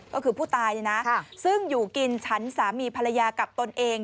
ก็คือผู้ตายเนี่ยนะซึ่งอยู่กินฉันสามีภรรยากับตนเอง